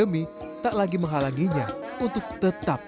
jika iklan berkan internet tidak akan membuat uang tahan